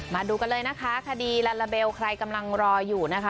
มาดูกันเลยนะคะคดีลาลาเบลใครกำลังรออยู่นะคะ